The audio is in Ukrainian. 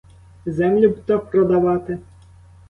Землю б то продавати?